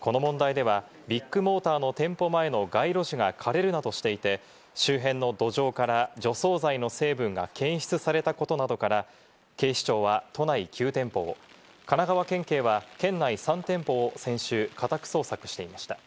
この問題では、ビッグモーターの店舗前の街路樹が枯れるなどしていて、周辺の土壌から除草剤の成分が検出されたことなどから、警視庁は都内９店舗を神奈川県警は県内３店舗を先週、家宅捜索していました。